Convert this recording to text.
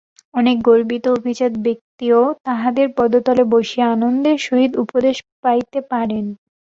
অনেক গর্বিত অভিজাত ব্যক্তিও তাঁহাদের পদতলে বসিয়া আনন্দের সহিত উপদেশ পাইতে পারেন।